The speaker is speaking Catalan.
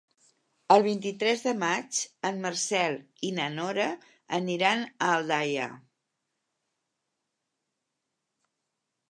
El vint-i-tres de maig en Marcel i na Nora aniran a Aldaia.